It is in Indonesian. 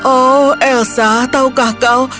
oh elsa tahukah kau